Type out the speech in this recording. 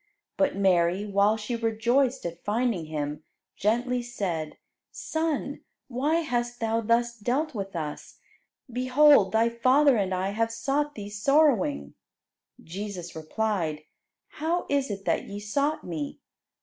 But Mary, while she rejoiced at finding Him, gently said, "Son, why hast Thou thus dealt with us? Behold Thy father and I have sought Thee sorrowing." Jesus replied, "How is it that ye sought Me?